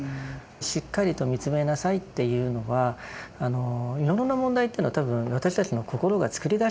しっかりと見つめなさいっていうのはいろいろな問題というのは多分私たちの心が作り出しているんですよね。